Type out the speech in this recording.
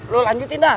lu lanjutin dah